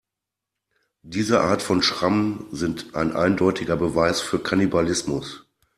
Diese Art von Schrammen sind ein eindeutiger Beweis für Kannibalismus.